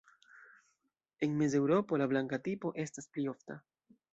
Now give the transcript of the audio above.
En Mezeŭropo la „blanka tipo“ estas pli ofta.